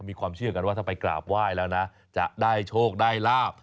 มีความเชื่อกันว่าถ้าไปกราบไหว้แล้วนะจะได้โชคได้ลาบ